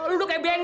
lu kayak bensin lu